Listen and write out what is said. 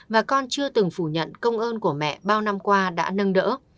và con chưa từng phủ nhận công ơn của mẹ bao năm qua đã nâng đỡ